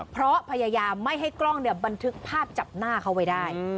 เพราะพยายามไม่ให้กล้องบันทึกภาพจับหน้าเขาไว้ได้